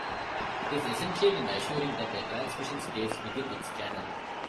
It is essential in assuring that a transmission stays within its channel.